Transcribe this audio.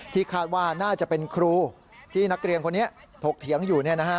คาดว่าน่าจะเป็นครูที่นักเรียนคนนี้ถกเถียงอยู่